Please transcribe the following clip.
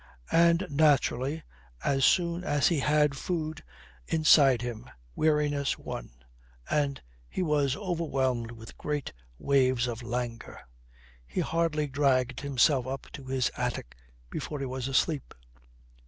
And naturally, as soon as he had food inside him, weariness won and he was overwhelmed with great waves of languor. He hardly dragged himself up to his attic before he was asleep.